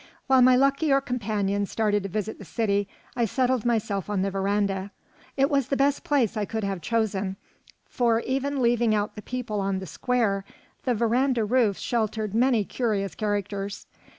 While my luckier companions started to visit the city, I settled myself on the veranda. It was the best place I could have chosen, for even leaving out the people on the Square, the veranda roof sheltered many curious characters.